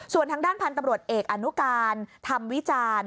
ส่วนทางด้านพันธุ์ตำรวจเอกอนุการธรรมวิจารณ์